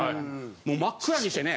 もう真っ暗にしてね。